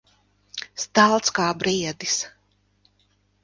Stalts kā briedis.